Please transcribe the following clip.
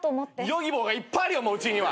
Ｙｏｇｉｂｏがいっぱいあるようちには。